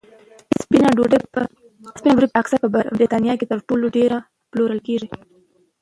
سپینه ډوډۍ اکثره په بریتانیا کې تر ټولو ډېره پلورل کېږي.